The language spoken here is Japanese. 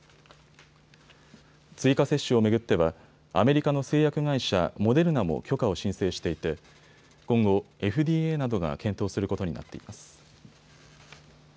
追加接種を巡ってはアメリカの製薬会社、モデルナも許可を申請していて今後、ＦＤＡなどが検討することになっています。